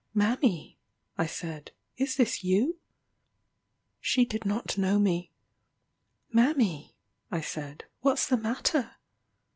"Mammy," I said, "is this you?" She did not know me. "Mammy," I said, "what's the matter?"